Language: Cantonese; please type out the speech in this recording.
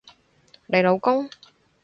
你老公？